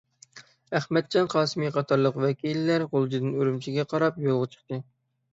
ئەخمەتجان قاسىمى قاتارلىق ۋەكىللەر غۇلجىدىن ئۈرۈمچىگە قاراپ يولغا چىقتى.